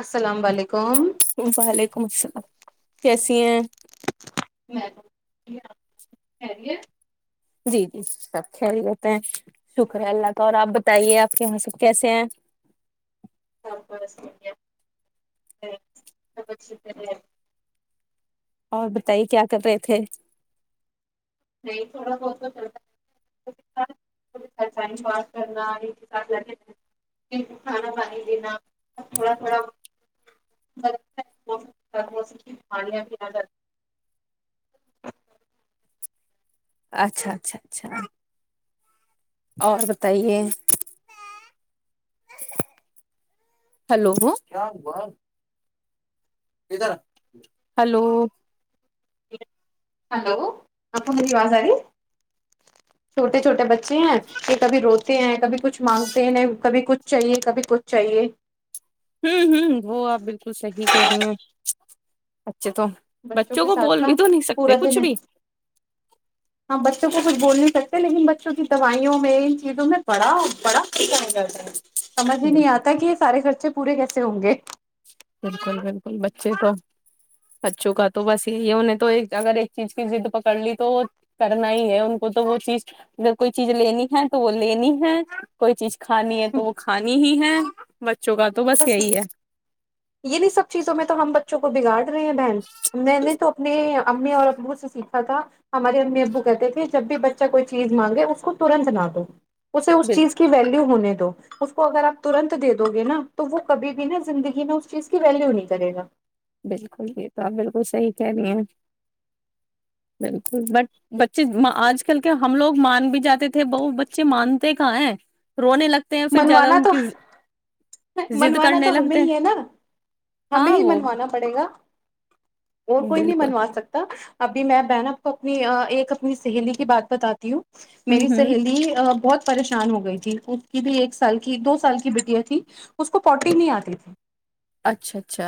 السلام علیکم وعلیکم السلام کیسی ہیں میں [inaudible] جی جی سب خیریت ہیں شکر اللہ کا اور آپ بتائیے آپ کے یہاں سے کیسے ہیں [inaudible] اور بتائیے کیا کر رہے تھے تھڑا بہت تو چلتاٹ کرنا کھانا پانی لینا تھڑا تھوڑا پ پ اچھا اچھا اچھا اور بتائیے ہلو ہلو ہیلو آپ کو میری آواز آ رہی چھوٹے چھوٹے بچے ہیں یہ کبھی روتے ہیں کبھی کچھ مانگتے ہیں ن کبھی کچھ چاہیے کبھی کچھ چاہیے ہوں ہ وہ آپ بالکل صحیح کہہ رہی ہیںچ ب تو بچوں کے کو ساتھ بول نا بھی تو نہیں سکتے پورا کچھ دن بھی ہم بچوں کو کچھ بول نہیں سکتے لیکن بچوں کی دوائیوں میں ان چیزوں میں بڑا بڑا ف کرتا ہے سمجھ میں نہیں بالکل آتا کہ یہ سارے خرچے پورے کیسے ہوں گے بالکل بالکل بچے تو بچوں کا تو بس یہی انہیں تو اگر ایک چیز کی د پکڑ لی تو وہ کرنا ہی ہے ان کو تو وہ چیز اگر کوئی چیز لینی ہے تو وہ لینی ہے کوئی چیز کھانی ہے تو وہ کھانی ہی ہے بچوں کا تو بس یہی ہے یہیں سب چیزوں میں تو ہم بچوں کو بگاڑ رہی ہیں بن میں نے توپ اپ نے امی اور ابو سے سیکھا تھا ہمارے امی ابو کہتے تھے جب بھی بچہ کوئی چیز مانگے اس کو ترنت نہ دو اسے اس بال چیز کی ویلو ہونے اس کو اگر آپ ترنت دے دو گے نا تو وہ کبھی بھی نا زندگی میں اس چیز کی ویلیو نہیں کرے گا بالکل یہ تو آپ بالکل صحی کہہ رہی ہیں بالکل بٹ بچے آج کل کے ہم لوگ مان بھی جاتے تھے ب بچے مانتے کہ ہے رونے لگ ہیں پھر زیادہ منوانا ان تو کے منوانا تو ہمیں ہی ہے نا ہمیں ہاں ہی وہ منوانا پڑے گا اور کوئی نہیں بالکل بنوا سکتا ابھی میں بہن آپ کو اپنی ایک اپنی سہیلی کی بات بتاتی ہوں ہ میری ہ سہیلی ا بہت پریشان ہو گئی تھی اس کی بھی ایک سال کی دو سال کی بیٹیاں تھھی اس کو پروٹین نہیں آتی تھی اچھا اچھا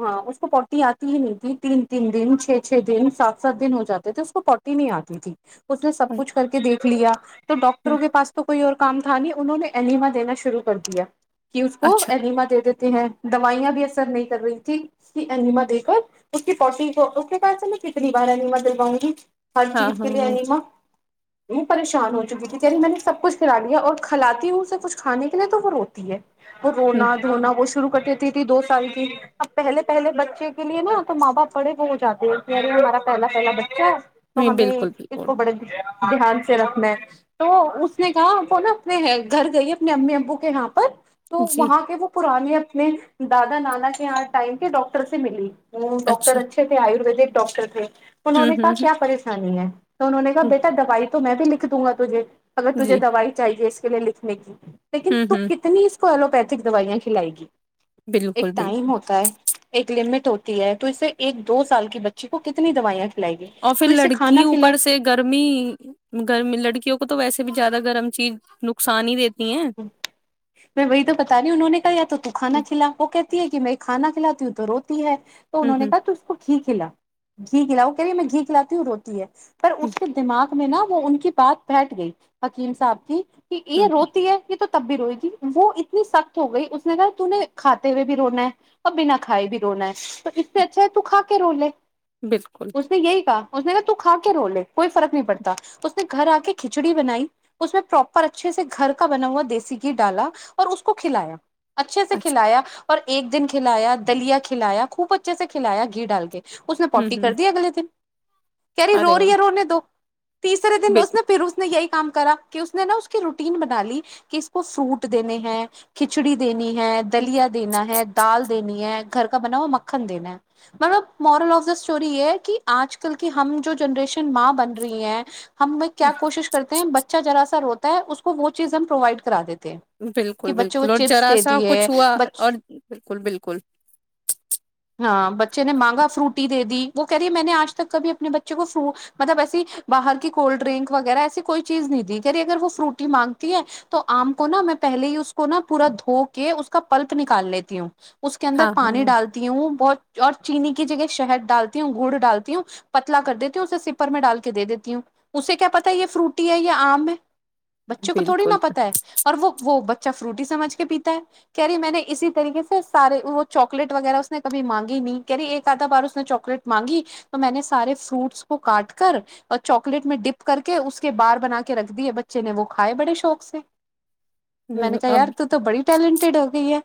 ہاں اس کو پوٹی آتی ہی نہیں تھی تین تین دن چھ چھ دن سات سات دن ہو جاتے تھے اس کو پوٹی نہیں آتی تھی اس نے سب کچھ کر کے دیکھ رکھ لیا تو ڈاکٹروں کے پس تو کوئی اور کام تھاانی انہوں نے اما دینا شروع کر دیا کہ اس کو اچھا ایما دے دیتے ہیں دوائیاں بھی اثر نہیں کر رہی ج انیما دے کر اس کی فوٹی کو اس کے پیال سے میں کتنی بار انیما دلواؤں گی ہر ہاں چیز کے ہاں لیے ہاں ایما وہ پریشان ہو چکی تھی یعنی میں نے سب کچھ کرا لیا اور کھلاتی ہوں اسے کچھ کھانے کے لیے تو وہ روتی ہے وہ ہ رونا دھونا وہ شروع کٹتی تھی دو سال کی اب پہل پہے بچے کے لیے نا تو ماں باپ بڑے وہ ہو جاتے ہیں کہ یار ہمارا پہلا پہلا بچہ ہے تو نہیں، ہمیں بالکل اس بالکل کو بڑے دھیان سے رکھنا ہے تو اس نے کہا ہم کو نا اپنے گھر گئی اپنے امی ابو کے یہاں پر تو جی وہاں کے وہ پرانے اپنے دادا نانا کے آٹ ٹائم کے ڈاکٹر سے ملی وہ ڈاکٹر اچھا اچھے تھے آیرویدک ڈاکٹر تھ انہوں ہوں نے کہا ہوں ہوں کیا پریشانی ہے تو انہوں نےا ہوں، بیٹا دوائی تو میں بھی لکھ دوں گا تجھے اگر تجھے جی دوائی چاہیے اس لکھنے کی لیکن ہوں تو ہوں کتنی اس ایلوپیتھک دوائیاں کھلائے گی بالکل ایک ٹائم بالکل ہوتا ایک لمٹ ہوتی ہے تو اس سے ایک دو سال کی بچی کو کتنی دوائیاں کھلائے گی اور پھر تو اسے لڑکی کھانا کھلا اوپر سے گرمی گرمی لڑکیوں کو تو ویسے سے بھی زیادہ گرم چیز نقصان ہی دیتی ہیں ہ میں وہی تو بتا رہی ہ انہوں نے کہا یا تو تو کھانا ہوں کھلا وہ کہ ہے کہ میں کانا کھلی ہوں تووتا ہے تو انہوں نے ہوں کہا تو اس کو ٹھیک کھلا گھی کھلاؤ کہہیے میں گھی کھلاتی ہوں روٹی ہے پر اس کے دماغ میں نا وہ ان کی بات بیٹھ گئی حکیم صاحب کی کہ ہ یہ ہ روتی ہے تو تب بھی روئی تی وہ اتنی سخت ہو گئی اس نے کہا ت نے کھاتے ہوئے بھی رونا ہے اورب بنا کھائے بھی رونا ہے تو اس سے اچھا ہے تو کھا کے رو لے بالکل اس نے یہی کہا اس نے کہ تو کھا کے رو لے کوئی فرق نہیں پڑتا اس نے گھر آ کے کھچڑی بنائی اس میں پراپر اچھے سے گھر کا بنا ہوا دیسی گھی ڈالا اور اس کو کھلایا اچھے سے اچھا کھلایا پر ایک دن کھلایا دلیا کھلایا خوب اچھے سے کھلایا گھی ڈال کے اس نے ہوں پوٹی ہوں کر دی اگے دن کہریی رو ارے رہی واہ ہے رونے دو تیسرے دن اس بالکل ن پھر اس نے یہی کام کرا کہ اس نے نا اس کی روٹین بنا لی کہ اس کو فروٹ دینے ہیں کھچڑی دینے ہے دلیا دینا ہے دال دینی ہے گھر کا بنا ہوا مکھن دینا ہے مطلب مورل آف دا اسٹور یہ ہے کہ آج کل کی ہم جو جنریشن ماں بن رہی ہے ہم ب کیا کوشش کرتے ہیں بچ جرا سر ہوتا ہے اس کو وہ چیز ہم پروائڈ کررا د [unintelligible] کہ بالکل بچوں کو بالکل اور چپس ذرا دے سا دی کچھ ہے ہوا ب اور بالکل بالکل ہاں بچے نے مانگا فروٹی دے دی وہ کہہ رہی ہے میں نے آج تک کبھی اپنے بچے کو فرو مطلب ایسی باہر کی کولڈ ڈرنک وغیرہ ایسی کوئی چیز نہیں دی کہہ رہی اگر وہ فروٹی مانگتی ہے تو آم کو نا میں پہلے ہی اس کو نا پورا دھو کے اس کا پلپ نکال لیتی ہوں اس کے اندر ہاں پانی ہاں ڈالتی ہوں بہت اور چینی کی جگہ شہد ڈالتی ہوں گڑ ڈالتی ہوں پتلا کر دیتی ہوں اسے سپر میں ڈال کے دے دیتی ہوں اسے کیا پتا ہے یہ فروٹی ہے یا آم ہے بچوں کو تھوڑی نا بالکل پت اور وہ وہ بچہ فروٹی ہی سمجھ کے پیتا ہے کہہی میں نے اسی طریقے سے سارے وہ چاکلیٹ وغیرہ اس نے کبھی مانگی نہیں کہہ رہی ایک آدھا بار اس نے چاکلیٹ مانگی تو میں نے سارے فروٹس کو کاٹ کر اور چاکلیٹ میں ڈپ کر کے اس کے بار بنا کے رکھ دی ہے بچے نے وہ کھائے بڑے شوق سے میں نے کہا یار اب تو تو بڑی ٹیلنٹیڈ ہو گئی ہے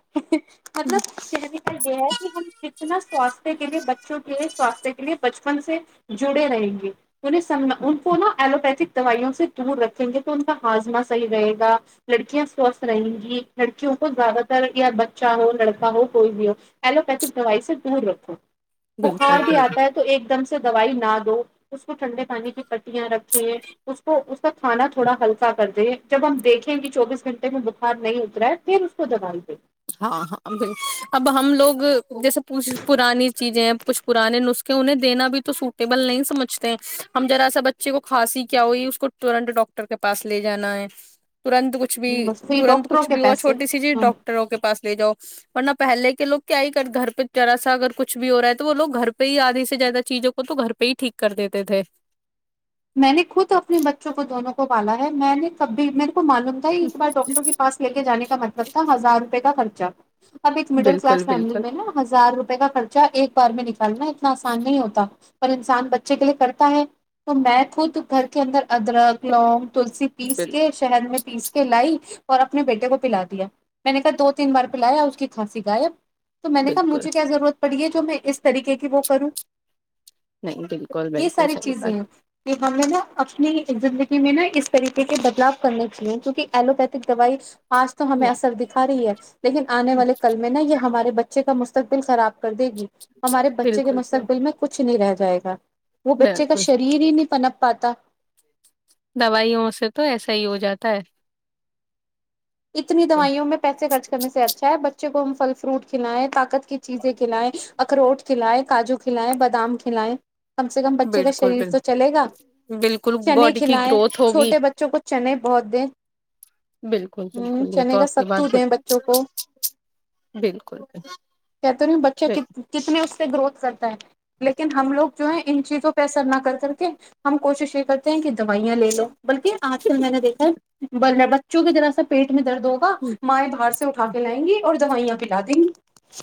مطلب کہنے کا یہ ہے کہ ہم کتنا سواست کے لیے بچوں کے سوستھ کے لیے بچپن سے جڑے رہیں گے انیں س ان کو نا ایلوپیتھ دوائیوں سے دور رکھیں گے تو ان کا ہاضمہ صحیح رہے گا لڑکیاں سوستھ رہیں گی لڑکیوں کو زیادہ تر یا بچہ ہو لڑکا ہو کوئی بھی ہو ایلوپیتھک دوائی سے دور رکھو بخار بھی بالکل آتا ہے تو ایک دم سے دوائی نہ دو اس کو ٹھنڈے پانی کی کٹیاں رکھیں اس کو اس کا کھانا تھوڑا ہلکا کر دیں جب ہم دیکھیں کہ چوبیس گنٹے میں بخار نہیں اترا ہے پھر اس کو دبال د ہاں ہاں ب اب ہم لوگ جیسےچھ پرانی چیزیں کچھ پرانے نسخے انہیں دینا بھی تو سوٹیبل نہیں سمجھتے ہیں ہم ذرا سا بچے کو کھانسی کیا ہوئی اس کو تورنٹ ڈاکٹر کے پاس لے جانا ہے ترنت کچھ بھی دیں بس پھر تنت ڈاکٹروں کچھ کے بھی ہوا پیسے چھوٹی سی جی ڈاک پاس لے جاؤ ورنہ پہلے کے لوگ کیا ہی کر گھر پہ ذا سا اگر کچھ بھی ہو رہا ہے تو وہ لوگ گھر پہ ہی آدھھی سے زیادہ چیزوں کو تو گھر پہ ہی ٹھیک کر دیتے تھے میں نے خود اپنے بچوں کو دونوں کو پالا ہے میں نے کبھی میرے معلوم تھا ہی ایک بار ڈاکٹر کے پس لے کے جانے کا مطلب تھا ہزار روپئے کا خرچ اچھا [unintelligible] اب ایک مڈل بالکل کلاس فیملی بالکل میں نا ہزار روپے کا خرچ چ ایک بار میں لک کرنا اتنا آسان نہیں ہوتا پر انسان بچے کے لیے کرتا ہے تو میں خود گھر کے اندر ادرک لونگ تلسی پیس بال کے شہد میں پیس کے لائی اور اپنے بیٹے کو پلا دیا میں نے کہا دو تین بار پلایا اس کی کھانسی غائب تو میں نے کہا بالکل مجھے کیا ضرورت پڑی ہے تو میں اس طریقے کی وہ کروں نہیں بالکل یہ بالکل ساری صحی چیزیں بات ہیں کہ ہمیں نا اپنی زندگی میں نا اس طریقے کے بدلاؤ کرنے چاہے کیونکہ ایلوپیتھک دوائی آج تو ہمیں اثر دکھا رہی ہے لیکن آنے والے کل میں نا یہ ہمارے بچے کا مستقبل خراب کر دے گی ہمارے بچے کے بالکل مستقبل میں کچھ نہیں رہتا جائے گا وہ بچے کا بالکل شریر فنپ پاتا دوائیوں سے تو ایسا ہی ہو جاتا ہے اتنی بالکل دوائیوں میں پیسے خرچ کرنے سے اچھا ہے بچ بچے کو ہم پل فروٹ کھلائیں طات کی چیزیں کھلائیں اخروٹ کھلائے کاجو کھلائے بادام کھلائے کم سے کم بچے کا بالکل شریر تو بالکل چلے گا بالکل چنے باڈی کی کھلائیں گروتھ ہوگی چھوٹے بچوں کو چنے بہت دیں بالکل ہ بالکل یہ چنے تو کا آپ کی ستو بات دیں بچوں کو بالکل کہتے رہی ہ بچہ بالکل کتنے اس سے گروتھ کر ہے لیکن ہم لوگ جو ہے ان چیزوں پہ اثر نہ کر کر کے ہم کوشش یہ کرتے ہیں ک دوائیاں لے لو بلکہ آج کل میں نے دیکھا ہے [inaudible] بچوں کی طذرا سا پیٹ میں درد ہوگا مائیں دھار سے اٹھا کے لائیں گی اور دوائیاں کلاا دیں گی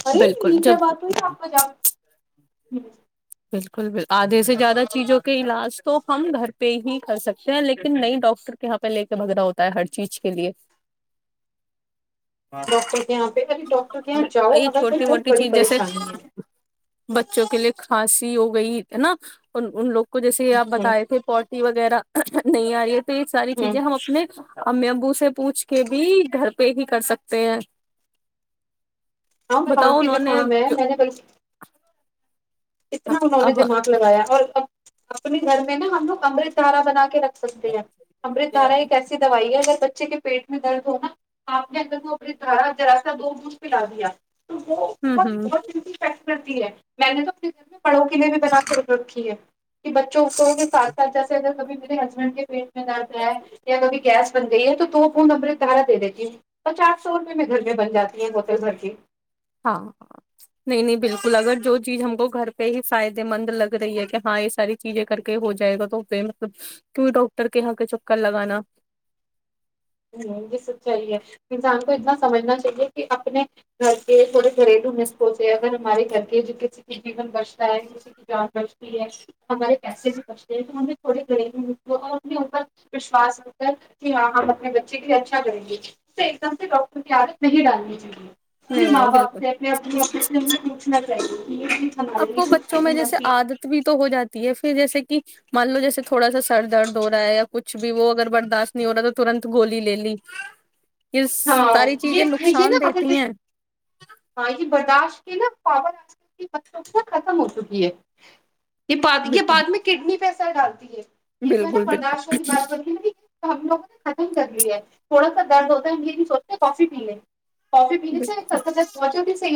ارے بالکل یہ جب کیا بات ہوئی آپ کا جام [inaudible] جی [unintelligible] بالکل آدھے سے زیادہ چیزوں کے علاج تو ہم گھر پہ ہی کر سکتے ہیں لیکن نئی ڈاکٹر کے یہاں پہ لے کے بھگ رہا ہوتا ہے ہر چیز کے لیے [inaudible] ڈاکٹر کے یہاں پہ ابھی ڈاکٹر کے یہاں جاؤ یہ اگر کوئی چھوٹی بہت موٹی بڑی چیز جیسے پریشانی ہے [inaudible] بچوں کے لیے کھانسی ہو گئی ہے نا ان ان لوگ کو جیسے آپ ہوں بتائے تھے پورٹی وغیرہ نہیں آ رہی ہے تو یہ ساری ہوں چیزیں ہم اپنے امی امبو سے پوچھ کے بھی گھر پہ ہی کر سکتے ہیں ہاں خام بتاؤ کی انہوں نے زکام ہے جو میں نے بائی اتنا انہوں نے اب دماغ لگایا اور اب اپنے گھر میں نا ہم لگ امرت تارا بنا کے رکھ سکتے ہیں امرت دھارا ہوں ایک ایسی دوائی ہے ج بچ [unintelligible] ہوں ہوں کرتی ہے میں نے تو [unintelligible] [unintelligible] گیس بن میں بن جاتی ہیں بوتل بھر کے [inaudible] جو چیز ہم کو گھر پہ ہی فائدے مند لگ رہی ہے کہ ہاں یہ ساری چیزیں کر کے ہو جائے گا تو پ مطلب کیئی ڈاکٹر کے یہاں کے چکر لگانا [unintelligible] [unintelligible] ہمارے پیسے بھی بچتے ہیں تو ہمیں تھوڑے گریل اور ان کے اوپر وشوس ر کر کہ [inaudible] اپنے نہیں ماں نہیں باپ بالکل سے اپنے اپنی سے ہمیں پوچھنا چاہیے کہ یہ چیز ہمارے اب وہ لیے فائدے مند تھی [unintelligible] مان لو جیسے یہ ہاں ساری چیزیں یہے نقصان دیتی ہیں [unintelligible] [unintelligible] ڈالتی بالکل [unintelligible] یہ جو بالکل بالکل ہے نا ہم لوگوں نے یہ نہیں سوچتے کافی پی لے کافی پینے بالکل سے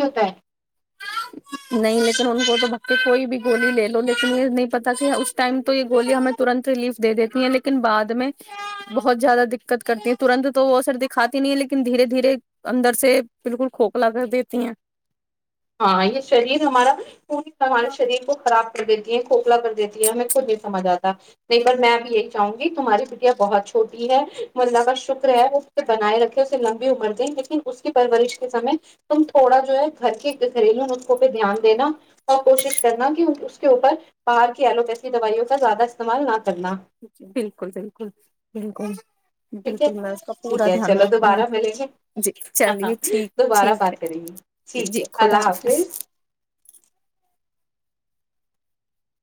[inaudible] ہاں یہ شریر ہمارا کر دیتی ہے کوکھلا کر دیتی ہے ہمیں خود نہیں سمجھ آتا نہیں پر میں بھی یہی چاہوں گی تمہاری بٹیا بہت چھوٹی ہے ت اللہ کا شکر ہے وہ اس بنائے رکھے اسے لمبی عمر د لیکن اس کی پرورش کے سمے تم تھوڑا جو ہے گھر کے گھریلو اس کو [inaudible] ٹھیک ہے میں اس کا ٹھیک پورا ہے دھیان چلو رکھوں گی دوبارہ ملیں گے جی ہ ہاں چلیے ٹھیک دوبارہ ٹھیک بات کریں ہے جی خدا حافظ گے